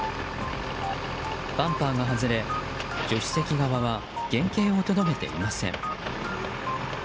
バンパーが外れ、助手席側は原形をとどめていません。